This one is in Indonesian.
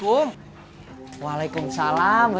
bapak sudah berjaya menangkan bapak